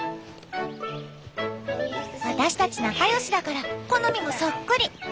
私たち仲良しだから好みもそっくり。